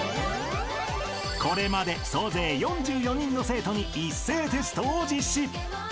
［これまで総勢４４人の生徒に一斉テストを実施］